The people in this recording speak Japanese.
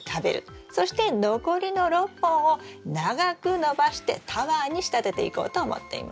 そして残りの６本を長く伸ばしてタワーに仕立てていこうと思っています。